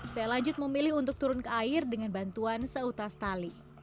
saya lanjut memilih untuk turun ke air dengan bantuan seutas tali